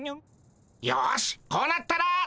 よしこうなったら。